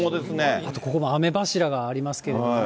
あと、ここも雨柱がありますけれどもね。